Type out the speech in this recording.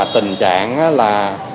tình trạng là